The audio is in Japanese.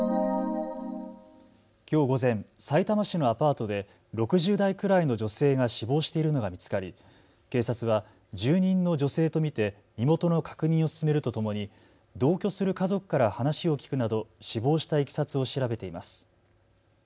きょう午前、さいたま市のアパートで６０代くらいの女性が死亡しているのが見つかり警察は住人の女性と見て身元の確認を進めるとともに同居する家族から話を聞くなど死亡したいきさつを調べています。